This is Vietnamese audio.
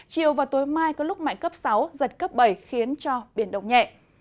chiều và tối mai có lúc mạnh cấp sáu giật cấp bảy khiến cho biển động nhẹ